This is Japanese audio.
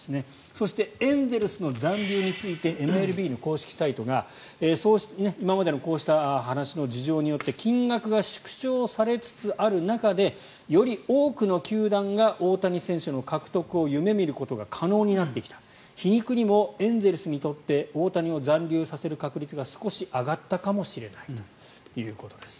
そしてエンゼルスの残留についてＭＬＢの公式サイトが今までのこうした話の事情によって金額が縮小されつつある中でより多くの球団が大谷選手の獲得を夢見ることが可能になってきた皮肉にもエンゼルスにとって大谷を残留させる確率が少し上がったかもしれないということです。